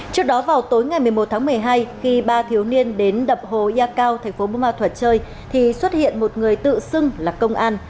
trước đó vào tối ngày một mươi một tháng một mươi hai khi ba thiếu niên đến đập hồ yakao tp bumma thuật chơi thì xuất hiện một người tự xưng là công an